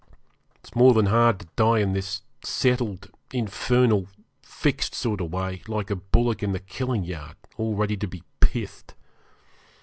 It's more than hard to die in this settled, infernal, fixed sort of way, like a bullock in the killing yard, all ready to be 'pithed'.